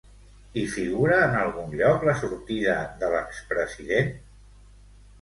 Hi figura en algun lloc la sortida de l'ex-president?